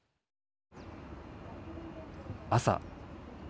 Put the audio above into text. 朝。